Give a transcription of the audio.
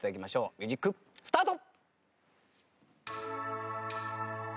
ミュージックスタート！